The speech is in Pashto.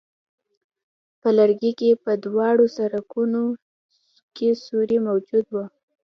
په لرګي کې په دواړو سرونو کې سوری موجود وو.